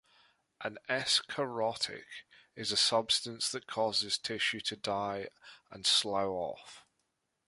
An escharotic is a substance that causes tissue to die and slough off.